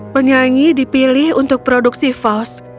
penyanyi dipilih untuk produksi fauz